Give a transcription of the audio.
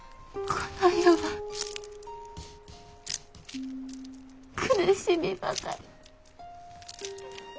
この世は苦しみばかり。